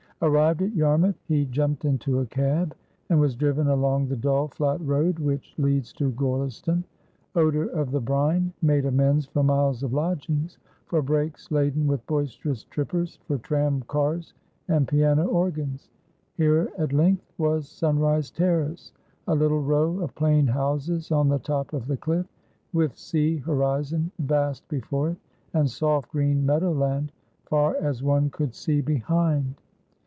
Arrived at Yarmouth, he jumped into a cab, and was driven along the dull, flat road which leads to Gorleston. Odour of the brine made amends for miles of lodgings, for breaks laden with boisterous trippers, for tram cars and piano organs. Here at length was Sunrise Terrace, a little row of plain houses on the top of the cliff, with sea horizon vast before it, and soft green meadow land far as one could see behind.